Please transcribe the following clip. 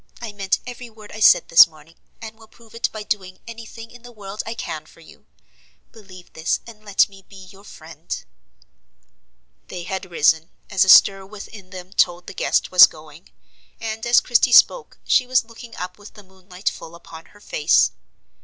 I meant every word I said this morning, and will prove it by doing any thing in the world I can for you. Believe this, and let me be your friend." They had risen, as a stir within told them the guest was going; and as Christie spoke she was looking up with the moonlight full upon her face.